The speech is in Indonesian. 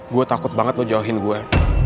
gue takut banget lo jauhin gue